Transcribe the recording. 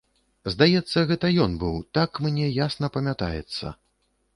Здаецца, гэта ён быў, так мне ясна памятаецца.